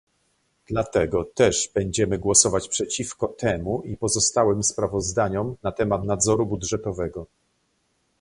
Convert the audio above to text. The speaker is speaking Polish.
Dlatego też będziemy głosować przeciwko temu i pozostałym sprawozdaniom na temat nadzoru budżetowego